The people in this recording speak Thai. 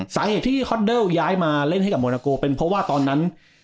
สาเหตุที่ฮอตเดิลย้ายมาเล่นให้กับโมนาโกเป็นเพราะว่าตอนนั้น